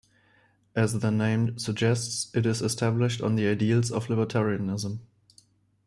As the name suggests it is established on the ideals of libertarianism.